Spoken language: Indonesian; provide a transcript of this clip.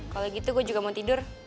kalau gitu gue juga mau tidur